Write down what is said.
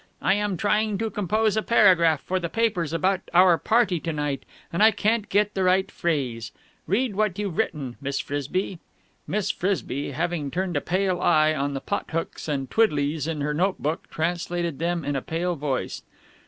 "I am trying to compose a paragraph for the papers about our party to night, and I can't get the right phrase.... Read what you've written, Miss Frisby." Miss Frisby, having turned a pale eye on the pothooks and twiddleys in her note book, translated them in a pale voice.